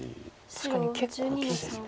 確かに結構大きいですね。